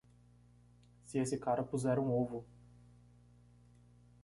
Se esse cara puser um ovo.